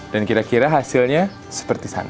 dan kira kira hasilnya seperti sana